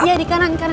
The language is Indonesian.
iya di kanan kanan